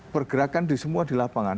pergerakan di semua di lapangan